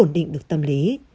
mới ổn định được tâm lý